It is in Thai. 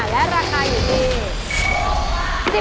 และราคาอยู่ที่